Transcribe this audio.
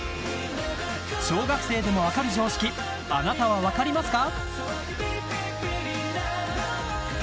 小学生でも分かる常識あなたは分かりますか？